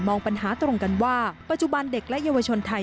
ปัญหาตรงกันว่าปัจจุบันเด็กและเยาวชนไทย